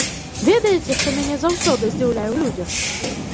Ведаеце, што мяне заўсёды здзіўляе ў людзях?